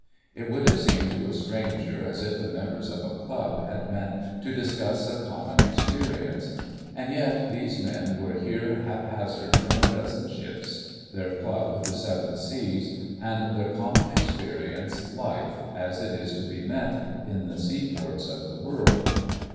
It would have seemed to a stranger as if the members of a club had met to discuss a common experience. And yet these men were here haphazard from a dozen ships—their club the Seven Seas, and their common experience, life, as it is to be met in the seaports of the world.